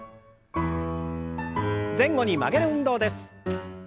前後に曲げる運動です。